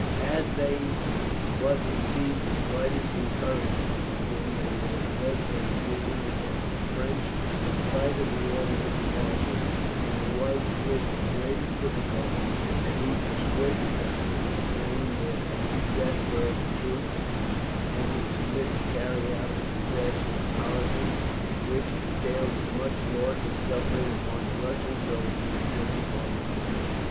Had they but received the slightest encouragement from him they would have led their divisions against the French in spite of the orders of the marshal, and it was with the greatest difficulty that he persuaded them to restrain their exasperated troops, and to submit to carry out the disastrous policy, which entailed as much loss and suffering upon the Russian soldiers as upon the French.